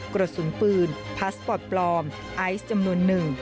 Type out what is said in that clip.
กระสุนปืนพลาสปอร์ตปลอมไอซ์จำนวนหนึ่ง